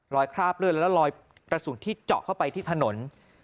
คราบเลือดและรอยกระสุนที่เจาะเข้าไปที่ถนน